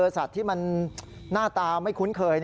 สัตว์ที่มันหน้าตาไม่คุ้นเคย